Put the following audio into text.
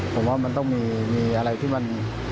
ผมว่ามันต้องมีอะไรที่มัน